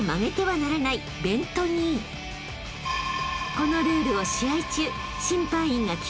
［このルールを試合中］